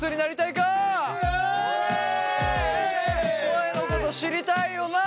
声のこと知りたいよな？